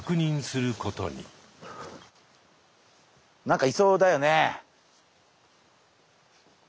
何かいそうだよね。